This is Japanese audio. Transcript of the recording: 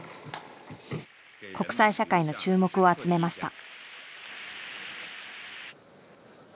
国際社会の注目を集めました。